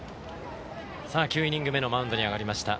９イニング目のマウンドに上がりました。